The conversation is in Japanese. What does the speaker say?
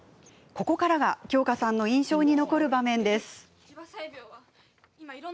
ここからが京香さんの印象に残る場面です。